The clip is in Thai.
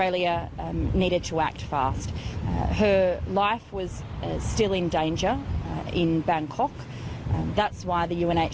อยากให้เธอออกไปที่เร็วที่สุดท้าย